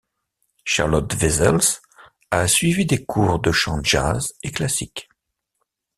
Charlotte Wessels a suivi des cours de chant jazz et classique.